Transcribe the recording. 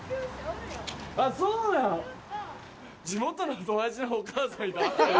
地元の友達のお母さんだ。